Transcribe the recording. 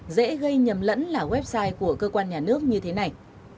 dễ gây nhầm lẫn là website của cơ quan nhà nước như thế này